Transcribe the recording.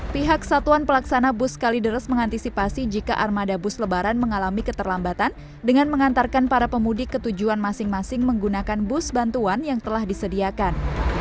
pihak satuan pelaksana bus kalideres mengantisipasi jika armada bus lebaran mengalami keterlambatan dengan mengantarkan para pemudik ke tujuan masing masing menggunakan bus bantuan yang telah disediakan